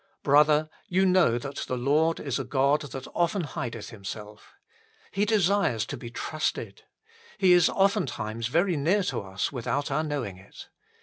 1 Brother, you know that the Lord is a God that often hideth Himself. He desires to be trusted. He is oftentimes very near to us without our knowing it.